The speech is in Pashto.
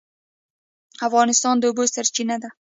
افغانستان د اوبو سرچینه ده